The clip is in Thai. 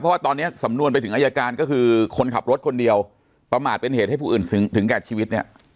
เพราะว่าตอนนี้สำนวนไปถึงอายการก็คือคนขับรถคนเดียวประมาทเป็นเหตุให้ผู้อื่นถึงแก่ชีวิตเนี่ย